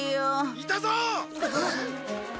いたぞ！